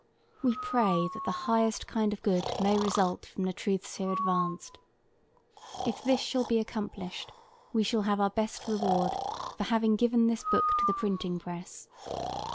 We pray that the highest kind of good may result from the truths here advanced. If this shall be accomplished, we shall have our best reward for having given this book to the printing press.